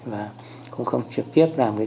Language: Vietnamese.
và cũng không trực tiếp làm cái